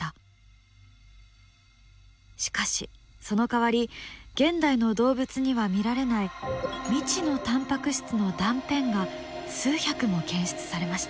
しかしそのかわり現代の動物には見られない未知のタンパク質の断片が数百も検出されました。